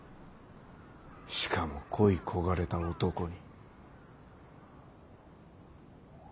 しかも恋い焦がれた男に。